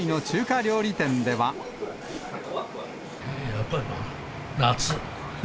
やっぱり、まだ夏。